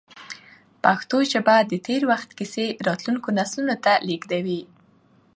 پښتو ژبه د تېر وخت کیسې راتلونکو نسلونو ته لېږدوي.